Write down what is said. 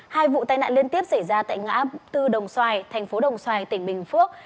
hai vụ tai nạn liên tiếp xảy ra tại ngã tư đồng xoài thành phố đồng xoài tỉnh bình phước